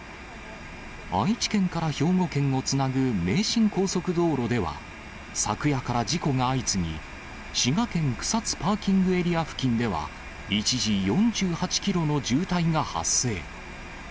愛知県から兵庫県をつなぐ名神高速道路では、昨夜から事故が相次ぎ、滋賀県草津パーキングエリア付近では、一時４８キロの渋滞が発生。